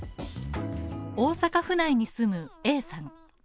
大阪府内に住むＡさん。